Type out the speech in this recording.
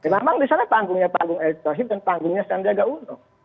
memang di sana panggungnya pak elis wahid dan panggungnya sandiaga uno